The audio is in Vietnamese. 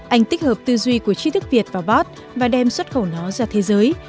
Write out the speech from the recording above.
anh tích hợp tư duy của trí thức việt vào bot và đem xuất khẩu nó ra thế giới